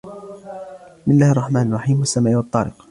بسم الله الرحمن الرحيم والسماء والطارق